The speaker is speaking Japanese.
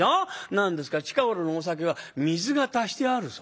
何ですか近頃のお酒は水が足してあるそうで。